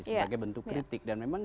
sebagai bentuk kritik dan memang